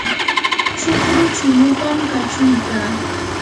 chukru chunutam kachuykaa.